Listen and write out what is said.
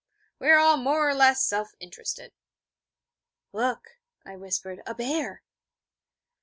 We are all more or less self interested.' 'Look,' I whispered 'a bear.'